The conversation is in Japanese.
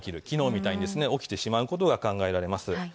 昨日みたいにですね、起きてしまうことが考えられます。